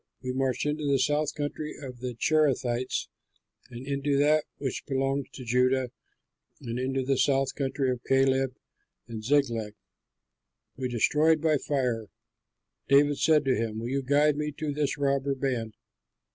We marched into the South Country of the Cherethites and into that which belongs to Judah and into the South Country of Caleb, and Ziklag we destroyed by fire." David said to him, "Will you guide me to this robber band?"